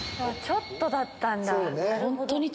ちょっとだけなんだ。